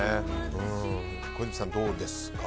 小泉さん、どうですか？